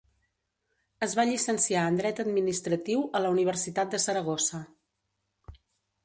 Es va llicenciar en dret administratiu a la Universitat de Saragossa.